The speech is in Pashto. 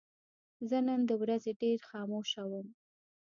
زه نن د ورځې ډېر خاموشه وم.